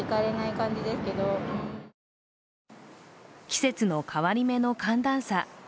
季節の変わり目の寒暖差。